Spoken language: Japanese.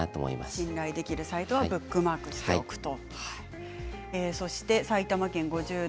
信頼できるサイトはブックマークしておくと。